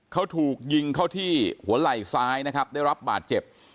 เขาถูกยิงเข้าที่หัวไหล่ซ้ายนะครับได้รับบาดเจ็บ